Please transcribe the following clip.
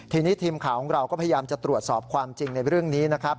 ทีนี้ทีมข่าวของเราก็พยายามจะตรวจสอบความจริงในเรื่องนี้นะครับ